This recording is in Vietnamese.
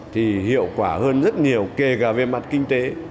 thì hiệu quả hơn rất nhiều kể cả về mặt kinh tế